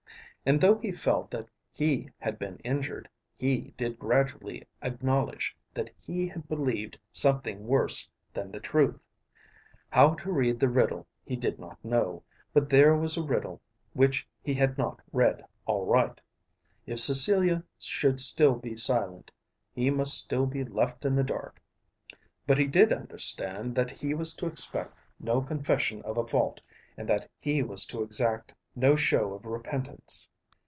And though he felt that he had been injured, he did gradually acknowledge that he had believed something worse than the truth. How to read the riddle he did not know, but there was a riddle which he had not read aright. If Cecilia should still be silent, he must still be left in the dark. But he did understand that he was to expect no confession of a fault, and that he was to exact no show of repentance.